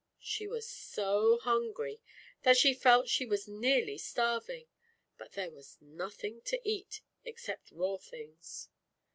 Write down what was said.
'She was so hungry, that she felt she was nearly starving, but there was nothing to eat, except raw things.